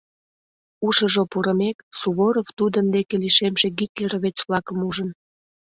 Ушыжо пурымек, Суворов тудын деке лишемше гитлеровец-влакым ужын.